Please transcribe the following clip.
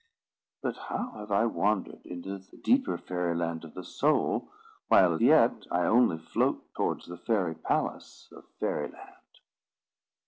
But how have I wandered into the deeper fairyland of the soul, while as yet I only float towards the fairy palace of Fairy Land!